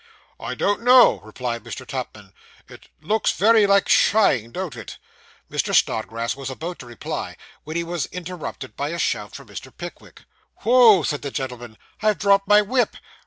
'I don't know,' replied Mr. Tupman; 'it looks very like shying, don't it?' Mr. Snodgrass was about to reply, when he was interrupted by a shout from Mr. Pickwick. 'Woo!' said that gentleman; 'I have dropped my whip.